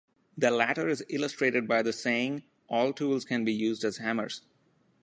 The latter is illustrated by the saying All tools can be used as hammers.